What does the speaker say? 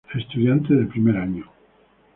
Estudiante de primer año.